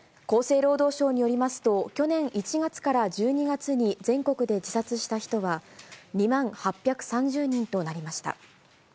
厚生労働省によりますと、去年１月から１２月に全国で自殺した人は、２万８３０人となりました。